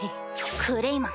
クレイマン